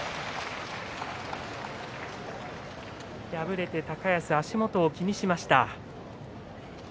敗れて高安、足元を気にしました。